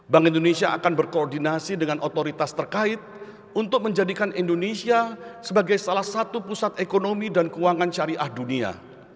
bank indonesia akan berkoordinasi dengan otoritas terkait untuk menjadikan indonesia sebagai salah satu pusat ekonomi dan keuangan syariah dunia